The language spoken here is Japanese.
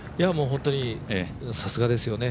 本当にさすがですよね。